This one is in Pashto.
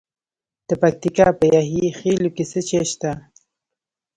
د پکتیکا په یحیی خیل کې څه شی شته؟